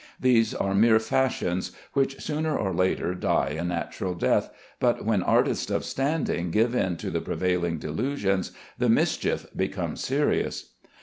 These are mere fashions, which sooner or later die a natural death, but when artists of standing give in to the prevailing delusions, the mischief becomes serious.